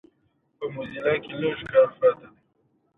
متل د ولسي افکارو بېلابېل رنګونه انځوروي